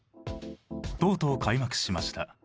とうとう開幕しました。